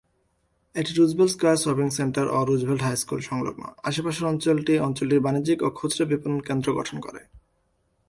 এটি Roosevelt square shopping centre ও Roosevelt high school সংলগ্ন, আশেপাশের অঞ্চলটি অঞ্চলটির বাণিজ্যিক ও খুচরা বিপণন কেন্দ্র গঠন করে।